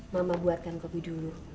mama buatkan kopi dulu